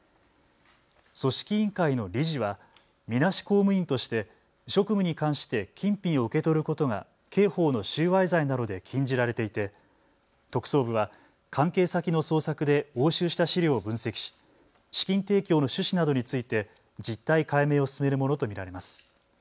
組織委員会の理事はみなし公務員として職務に関して金品を受け取ることが刑法の収賄罪などで禁じられていて特捜部は関係先の捜索で押収した資料を分析し資金提供の趣旨などについて実態解明を進めるものと見られます。